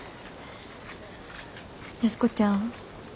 安子ちゃん。